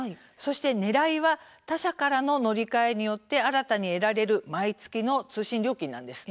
ねらいは他社からの乗り換えによって新たに得られる毎月の通信料金なんです。